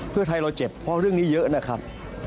เพื่อไทยเราเจ็บเพราะเรื่องนี้เยอะนะครับ